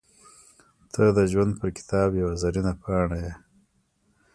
• ته د ژوند پر کتاب یوه زرینه پاڼه یې.